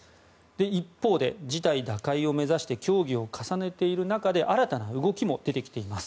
一方で、事態打開を目指して協議を重ねている中で新たな動きも出てきています。